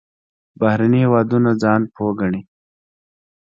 بهرني هېوادونه ځان پوه ګڼي.